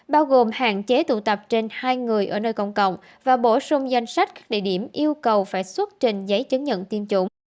bao gồm hạn chế tụ tập trên hai người ở nơi công cộng và bổ sung danh sách các địa điểm yêu cầu phải xuất trình giấy chứng nhận tiêm chủng